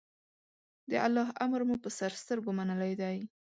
د الله امر مو په سر سترګو منلی دی.